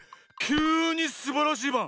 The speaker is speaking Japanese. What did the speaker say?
きゅうにすばらしいバン！